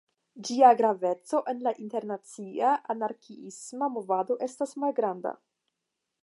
Ĝia graveco en la internacia anarkiisma movado estas malgranda.